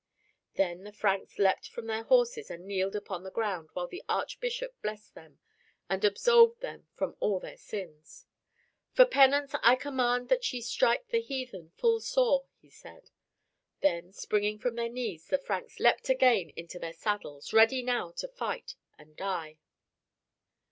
Then the Franks leapt from their horses and kneeled upon the ground while the archbishop blessed them, and absolved them from all their sins. "For penance I command that ye strike the heathen full sore," he said. Then springing from their knees the Franks leapt again into their saddles, ready now to fight and die.